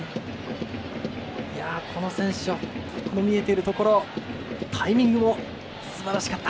本当にこの選手は見えてるところタイミングもすばらしかった。